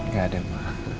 gak ada ma